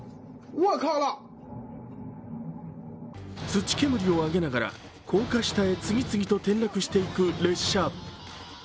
土煙を上げながら高架下へ次々と転落していく列車。